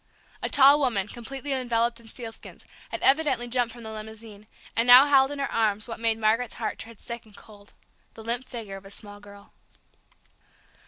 A tall woman, completely enveloped in sealskins, had evidently jumped from the limousine, and now held in her arms what made Margaret's heart turn sick and cold, the limp figure of a small girl.